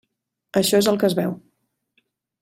Això és el que es veu.